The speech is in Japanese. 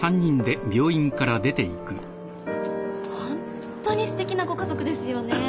ホントにすてきなご家族ですよね。